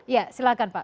ya silakan pak